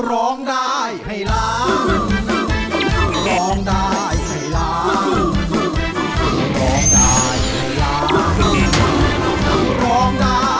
ร้องได้ให้ล้าง